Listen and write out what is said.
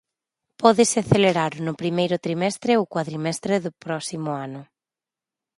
Pódese acelerar no primeiro trimestre ou cuadrimestre do próximo ano.